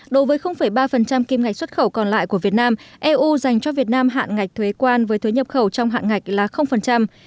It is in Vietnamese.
đối với ba kim ngạch xuất khẩu còn lại của việt nam eu dành cho việt nam hạn ngạch thuế quan với thuế nhập khẩu trong hạn ngạch là